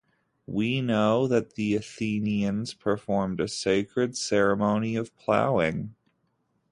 We know that the Athenians performed a sacred ceremony of ploughing.